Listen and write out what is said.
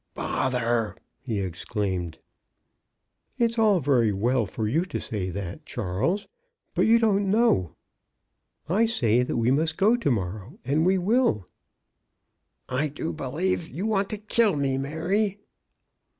"Bother! " he exclaimed. *' It's all very well for you to say that, Charles, but you don't know. I say that we must go to morrow, and we will." " I do believe you want to kill me, Mary."